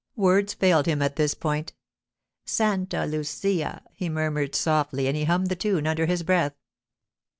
Words failed him at this point. 'Santa Lucia,' he murmured softly, and he hummed the tune under his breath.